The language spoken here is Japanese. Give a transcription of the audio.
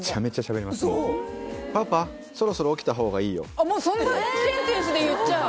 ああもうそんなセンテンスで言っちゃう？